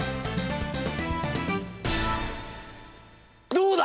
どうだ！